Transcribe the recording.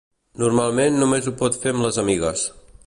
Normalment només ho pot fer amb les amigues.